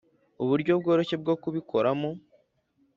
uburyo bworoshye bwo kubikoramo